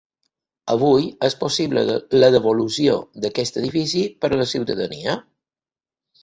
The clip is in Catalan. Avui és possible la devolució d’aquest edifici per a la ciutadania.